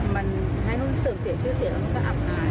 มันให้นุ่มเสิร์ฟเสียชื่อเสียแล้วมันก็อับอาย